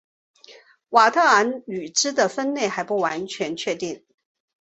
佤德昂语支的分类还不完全确定。